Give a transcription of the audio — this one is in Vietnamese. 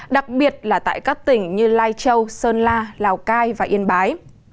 đặc biệt là tại các tỉnh như lai châu sơn la lào cai và yên bái